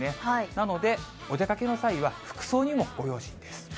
なので、お出かけの際は服装にもご用心です。